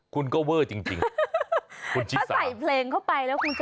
คุณก็เว่จริง